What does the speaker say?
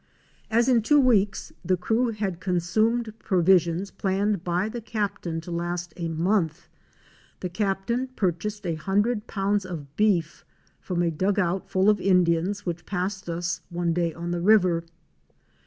As in two weeks the crew had consumed provisions planned by the Captain to last a month, the Captain purchased a hun dred pounds of beef from a dug out full of Indians which passed us one day on the river.